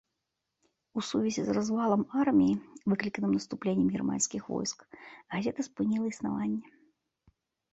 У сувязі з развалам арміі, выкліканым наступленнем германскіх войск, газета спыніла існаванне.